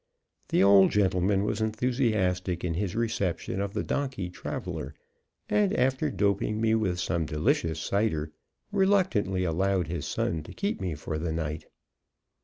The old gentleman was enthusiastic in his reception of the donkey traveler, and after doping me with some delicious cider, reluctantly allowed his son to keep me for the night.